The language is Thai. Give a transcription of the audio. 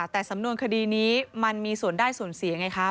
แต่สำนวนคดีนี้มันมีส่วนได้ส่วนเสียไงคะ